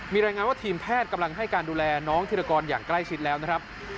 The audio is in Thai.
มีรายงานว่าทีมแพทย์กำลังให้การดูแลน้องธิรกรอย่างใกล้ชิดแล้วนะครับ